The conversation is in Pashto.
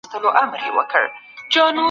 لاسي کار د ټولني د پرمختګ بنسټ دی.